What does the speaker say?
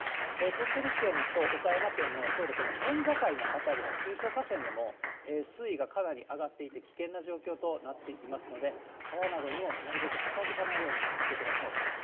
鳥取県と岡山県のちょうどこの県境の辺りの中小河川でも、水位がかなり上がっていて、危険な状況となっていますので、川などにもなるべく近づかないようにしてください。